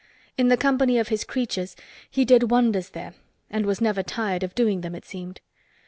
In the company of his "creatures" he did wonders there and was never tired of doing them, it seemed.